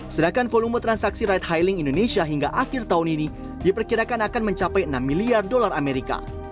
sedangkan volume transaksi ride hailing indonesia hingga akhir tahun ini diperkirakan akan mencapai enam miliar dolar amerika